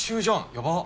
やばっ。